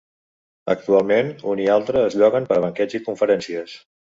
Actualment, un i altre es lloguen per a banquets i conferències.